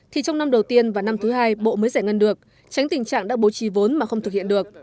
thì trong năm đầu tiên và năm thứ hai bộ mới giải ngân được tránh tình trạng đã bố trì vốn mà không thực hiện được